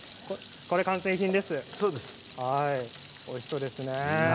おいしそうですね。